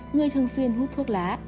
người thường xuyên hút thuốc lá